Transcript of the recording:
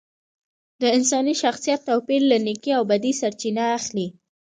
د انساني شخصیت توپیر له نیکۍ او بدۍ سرچینه اخلي